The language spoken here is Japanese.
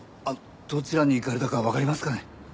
どちらに行かれたかわかりますかね？